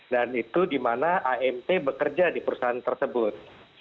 dan itu dimana amt bekerja di perusahaan tersebut